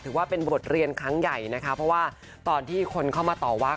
ถือว่าเป็นบทเรียนครั้งใหญ่นะคะเพราะว่าตอนที่คนเข้ามาต่อว่า